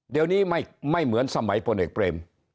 เดี๋ยวนี้ไม่เหมือนสมัยพลเอกเปรม